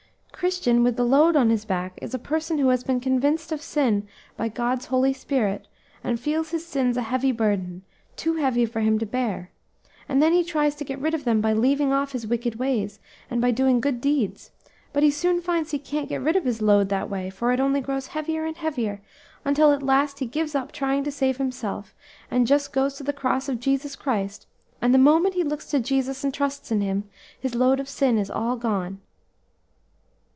"Christian, with the load on his back, is a person who has been convinced of sin by God's Holy Spirit, and feels his sins a heavy burden too heavy for him to bear; and then he tries to get rid of them by leaving off his wicked ways, and by doing good deeds; but he soon finds he can't get rid of his load that way, for it only grows heavier and heavier, until at last he gives up trying to save himself, and just goes to the cross of Jesus Christ; and the moment he looks to Jesus and trusts in Him, his load of sin is all gone."